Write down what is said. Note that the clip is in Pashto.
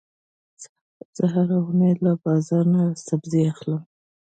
زه هره اونۍ له بازار نه سبزي اخلم.